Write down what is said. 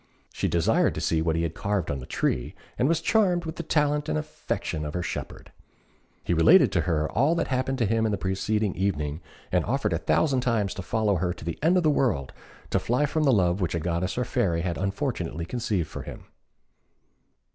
She desired to see what he had carved on the tree, and was charmed with the talent and affection of her shepherd. He related to her all that happened to him the preceding evening, and offered a thousand times to follow her to the end of the world to fly from the love which a goddess or a fairy had unfortunately conceived for him.